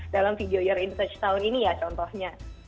dalam video your inserts tahun ini ya contohnya